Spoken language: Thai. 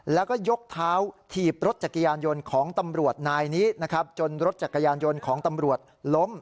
แล้วก็ยกเท้าถีบรถจักรยานยนต์ของตำรวจนายนี้นะครับจนรถจักรยานยนต์ของตำรวจล้ม